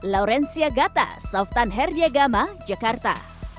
laurencia gata softan herdiagama jakarta